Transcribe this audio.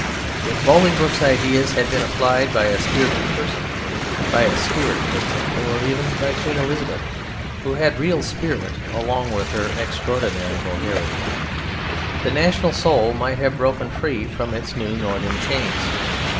If Bolingbroke's ideas had been applied by a spirited person, by a Stuart, for example, or even by Queen Elizabeth (who had real spirit along with her extraordinary vulgarity), the national soul might have broken free from its new northern chains.